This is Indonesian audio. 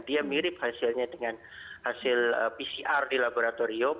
dia mirip hasilnya dengan hasil pcr di laboratorium